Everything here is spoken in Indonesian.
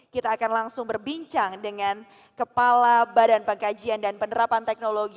kita akan langsung berbincang dengan kepala badan pengkajian dan penerapan teknologi